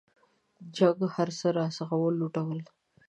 جنګ هرڅه راڅخه ولوټل.